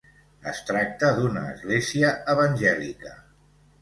Es tracta d'una església evangèlica.